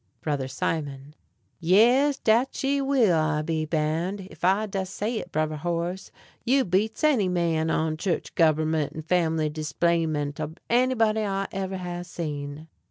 Brother Simon. Yes, dat she will, I be boun'; ef I does say it, Brover Horace, you beats any man on church guberment an' family displanement ob anybody I ever has seen.